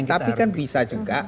tapi bisa juga